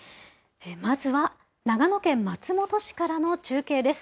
まずは長野県松本市からの中継です。